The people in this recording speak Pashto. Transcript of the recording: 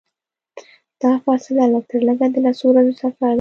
دا فاصله لږترلږه د لسو ورځو سفر دی.